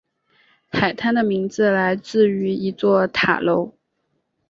海滩的名字来自于一座塔楼。